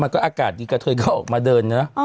อากาศดีกระเทยก็ออกมาเดินเนอะ